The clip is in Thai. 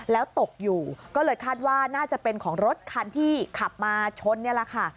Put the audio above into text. แล้วตกอยู่ก็เลยคาดว่าน่าจะเป็นของรถคันที่ขับมาชนนี่แหละค่ะ